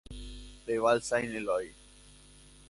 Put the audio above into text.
Le Val-Saint-Éloi